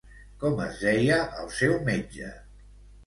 Com es deia el seu metge?